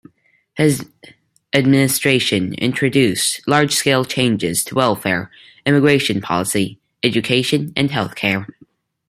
His administration introduced large-scale changes to welfare, immigration policy, education, and healthcare.